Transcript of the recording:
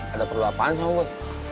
ada perlu apaan sama gue